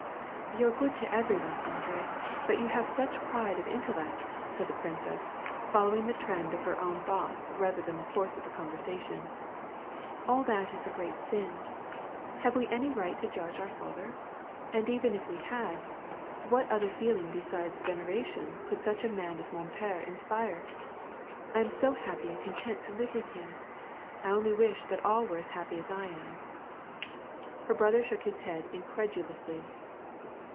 "You're good to every one, Andre, but you have such pride of intellect," said the princess, following the trend of her own thoughts rather than the course of the conversation. " And that is a great sin. Have we any right to judge our father ? And even if we had, what other feeling beside veneration could such a man as moii pere insj)ire ? And I am so hai)py and content to live with him. I only wish that all were as happy as I am." Her brother shook his head incredulously.